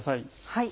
はい。